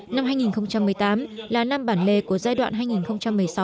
năm hai nghìn một mươi tám là năm bản lề của giai đoạn hai nghìn một mươi sáu hai nghìn một mươi sáu